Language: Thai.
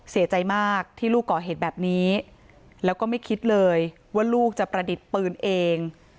เสียใจมากที่ลูกก่อเหตุแบบนี้แล้วก็ไม่คิดเลยว่าลูกจะประดิษฐ์ปืนเอง